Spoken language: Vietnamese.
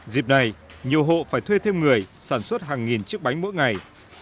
dịp này nhiều hộ phải thuê thêm người sản xuất hàng nghìn chiếc bánh mỗi ngày